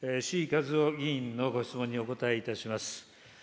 志位和夫議員のご質問にお答えいたします。